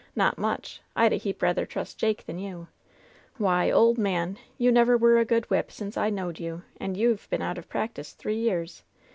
"Not much ! I'd a heap rather trust Jake than you ! Why, ole man, you never were a good whip since I knowed you, and you've been out of prac tice three years